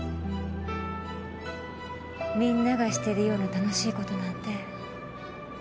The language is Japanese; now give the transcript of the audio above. みんながしてるような楽しい事なんて